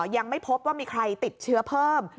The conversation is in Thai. ยังไม่พบว่ามีใครติดเชื้อเพิ่ม